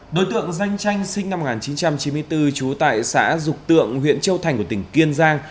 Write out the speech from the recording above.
đối tượng danh tranh sinh năm một nghìn chín trăm chín mươi bốn trú tại xã dục tượng huyện châu thành của tỉnh kiên giang